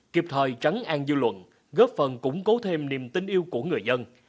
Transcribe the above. kịp thời trắng an dư luận góp phần củng cố thêm niềm tin yêu của người dân